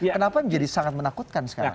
kenapa menjadi sangat menakutkan sekarang